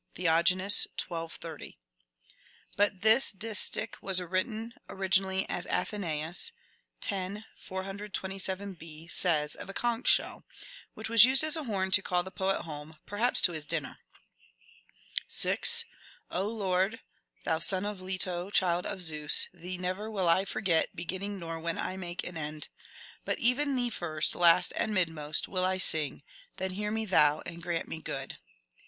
Theognis, 1230. But this distich was written originally, as Athenseus (x. 427 b) says, of a conch shell, which was used as a horn to call the poet home, perhaps to his dinner. 6. '* O Ix>rd, [thon son of Leto, child of Zens], thee never Will I forget, beginning nor when I make an end ; BROWNING 21 But even thee first, last and midmost Will I sing : then hear me thou, and grant me good."